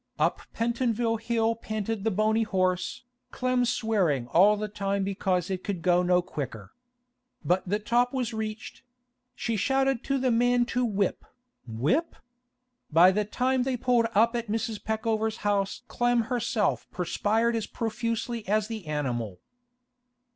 Up Pentonville Hill panted the bony horse, Clem swearing all the time because it could go no quicker. But the top was reached; she shouted to the man to whip, whip! By the time they pulled up at Mrs. Peckover's house Clem herself perspired as profusely as the animal.